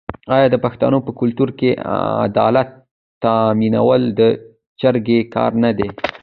آیا د پښتنو په کلتور کې عدالت تامینول د جرګې کار نه دی؟